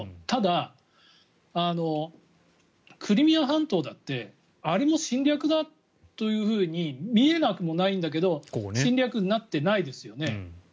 ただ、クリミア半島だってあれも侵略だってふうに見えなくもないんだけど侵略になってないですよね。